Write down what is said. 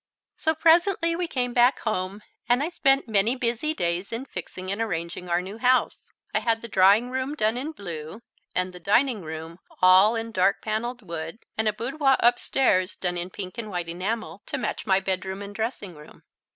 So presently we came back home, and I spent many busy days in fixing and arranging our new house. I had the drawing room done in blue, and the dining room all in dark panelled wood, and a boudoir upstairs done in pink and white enamel to match my bedroom and dressing room.